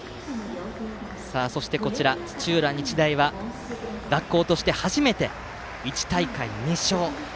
そして土浦日大は学校として初めて１大会２勝。